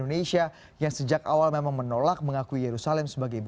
keputusan trump yang juga akan memindahkan kedutaan mereka ke yerusalem dan palestina